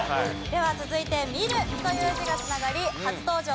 では続いて「見る」という字が繋がり初登場